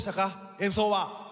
演奏は。